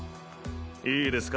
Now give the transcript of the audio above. いいですか？